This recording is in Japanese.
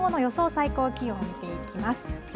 最高気温、見ていきます。